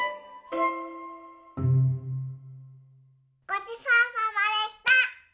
ごちそうさまでした！